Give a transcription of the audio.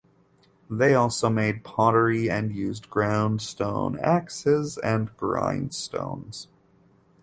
They also made pottery and used ground stone axes and grindstones.